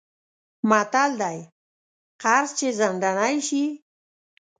متل دی: قرض چې ځنډنی شی...